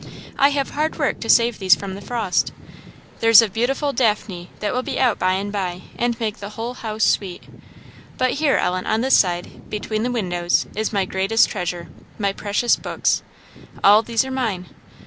I have hard work to save these from frost. There's a beautiful daphne that will be out by and by, and make the whole house sweet. But here, Ellen, on this side, between the windows, is my greatest treasure my precious books. All these are mine.